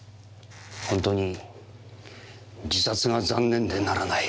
本当に自殺が残念でならない。